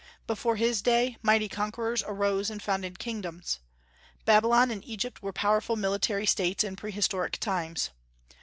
Before his day mighty conquerors arose and founded kingdoms. Babylon and Egypt were powerful military States in pre historic times.